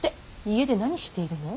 家で何しているの。